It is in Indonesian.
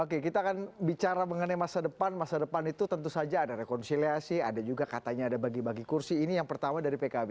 oke kita akan bicara mengenai masa depan masa depan itu tentu saja ada rekonsiliasi ada juga katanya ada bagi bagi kursi ini yang pertama dari pkb